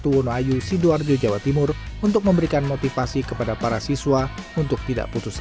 tuwono ayu sidoarjo jawa timur untuk memberikan motivasi kepada para siswa untuk tidak putus